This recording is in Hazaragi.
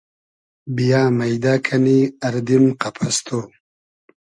بییۂ مݷدۂ کئنی اردیم قئپئس تو